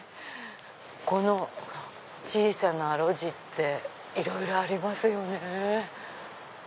この小さな路地っていろいろありますよね。